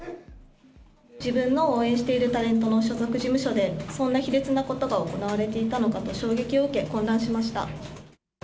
自分の応援しているタレントの所属事務所でそんな卑劣なことが行われていたのかと衝撃を受け、混乱しました。